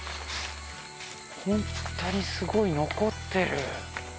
ホントにすごい残ってる。